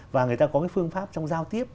và người ta có cái phương pháp trong giao tiếp